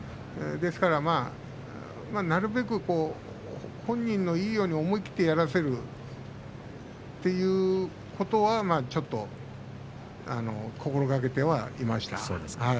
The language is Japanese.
ですから、なるべく本人のいいように思い切ってやらせるそういうことはちょっと心がけておりました。